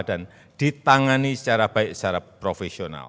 dan ditangani secara baik secara profesional